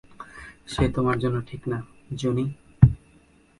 সে তোমার জন্য ঠিক না, জুনি।